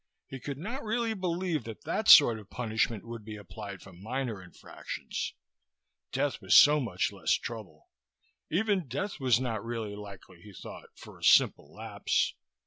He could not really believe that that sort of punishment would be applied for minor infractions. Death was so much less trouble. Even death was not really likely, he thought, for a simple lapse.